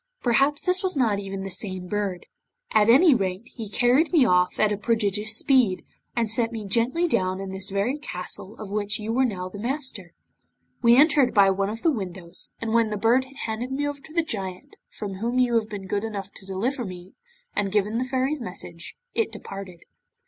Perhaps, this was not even the same bird. At any rate, he carried me off at a prodigious speed, and set me gently down in this very castle of which you are now the master. We entered by one of the windows, and when the Bird had handed me over to the Giant from whom you have been good enough to deliver me, and given the Fairy's message, it departed.